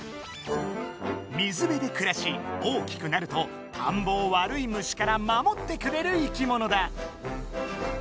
水辺でくらし大きくなると田んぼを悪い虫から守ってくれる生きものだ。